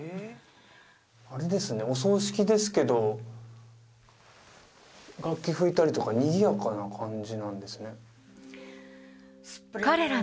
あれですねお葬式ですけど楽器吹いたりとかにぎやかな感じなんですね